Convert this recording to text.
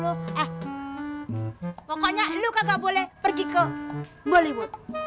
eh pokoknya lo kagak boleh pergi ke bollywood